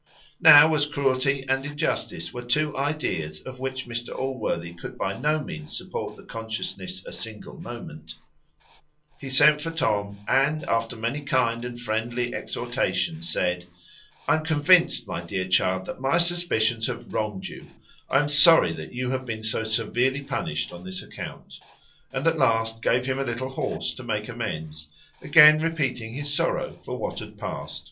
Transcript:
Now, as cruelty and injustice were two ideas of which Mr Allworthy could by no means support the consciousness a single moment, he sent for Tom, and after many kind and friendly exhortations, said, "I am convinced, my dear child, that my suspicions have wronged you; I am sorry that you have been so severely punished on this account." And at last gave him a little horse to make him amends; again repeating his sorrow for what had past.